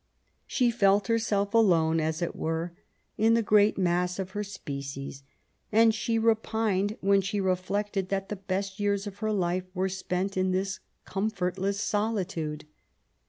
She felt herself alone, as it were, in the great mass of her species, and she repined when she reflected that the best years of her life were spent in this comfortless solitude.